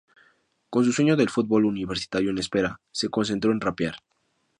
Con su sueño del football universitario en espera, se concentró en rapear.